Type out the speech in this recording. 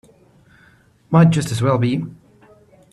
Might just as well be.